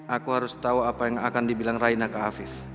aku harus tahu apa yang akan dibilang raina ke afif